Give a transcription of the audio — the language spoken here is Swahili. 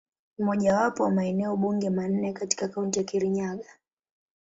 Ni mojawapo wa maeneo bunge manne katika Kaunti ya Kirinyaga.